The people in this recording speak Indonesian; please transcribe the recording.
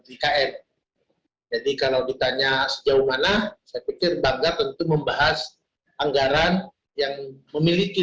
ikn jadi kalau ditanya sejauh mana saya pikir bangga tentu membahas anggaran yang memiliki